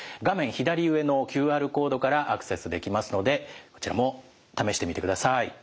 左上のＱＲコードからアクセスできますのでこちらも試してみてください。